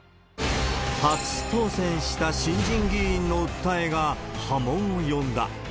初当選した新人議員の訴えが波紋を呼んだ。